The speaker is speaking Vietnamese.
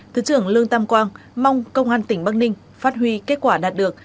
thứ trưởng lương tam quang mong công an tỉnh bắc ninh phát huy kết quả đạt được